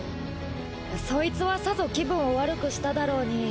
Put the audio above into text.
そいつはさぞ気分を悪くしただろうに。